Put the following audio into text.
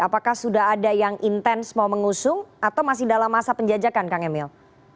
apakah sudah ada yang intens mau mengusung atau masih dalam masa penjajakan kang emil